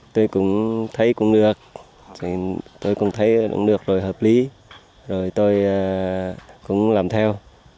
tôi cũng thấy cũng được tôi cũng thấy cũng được rồi hợp lý rồi tôi cũng làm theo